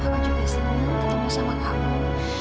nanti aku juga senang ketemu sama kamu